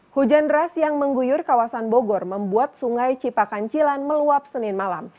hujan deras yang mengguyur kawasan bogor membuat sungai cipakancilan meluap senin malam